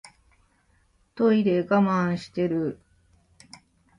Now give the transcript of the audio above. トイレ我慢してる